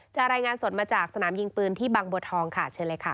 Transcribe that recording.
รายงานสดมาจากสนามยิงปืนที่บางบัวทองค่ะเชิญเลยค่ะ